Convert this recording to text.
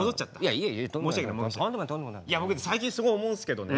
僕最近すごい思うんですけどね